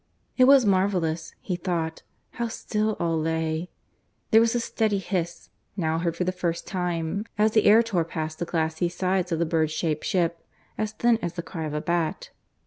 It was marvellous, he thought, how still all lay; there was a steady hiss, now heard for the first time, as the air tore past the glassy sides of the bird shaped ship, as thin as the cry of a bat.